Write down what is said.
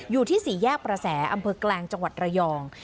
อยู่ที่สี่แยกประแสอำเภอแกลงจังหวัดระยอง